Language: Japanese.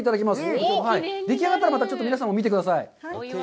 でき上がったら、また皆さんも見てください。